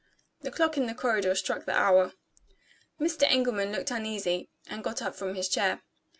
The clock in the corridor struck the hour. Mr. Engelman looked uneasy, and got up from his chair.